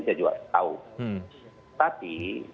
saya juga tahu tapi